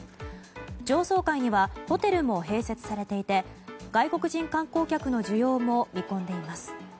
上層階にはホテルも併設されていて外国人観光客の需要も見込んでいます。